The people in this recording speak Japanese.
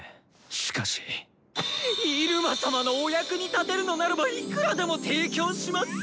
しかし入間様の！お役に立てるのならばいくらでも提供します！